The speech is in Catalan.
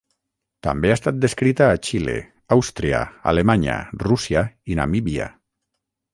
També ha estat descrita a Xile, Àustria, Alemanya, Rússia i Namíbia.